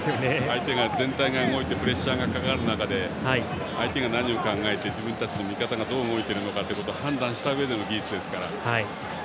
全体が動いてプレッシャーがかかる中で相手が何を考えて自分たち味方がどう動いているかを判断したうえでの技術なので。